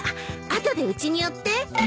後でうちに寄って。